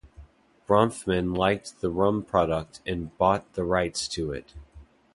Bronfman liked the rum product and bought the rights to it.